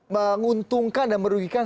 menguntungkan dan merugikan